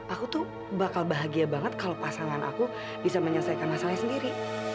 aku tuh bakal bahagia banget kalau pasangan aku bisa menyelesaikan masalahnya sendiri